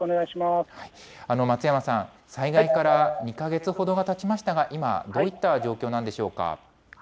松山さん、災害から２か月ほどがたちましたが、今、どういった状況なんでしょうか。